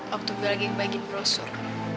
waktu gue lagi ngebagiin brosur